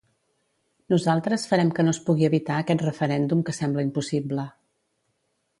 Nosaltres farem que no es pugui evitar aquest referèndum que sembla impossible.